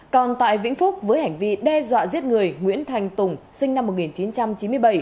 còn tại vĩnh phúc với hành vi đe dọa giết người nguyễn thành tùng sinh năm một nghìn chín trăm chín mươi bảy